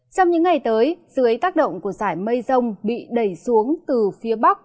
trong những ngày tới dưới tác động của giải mây rông bị đẩy xuống từ phía bắc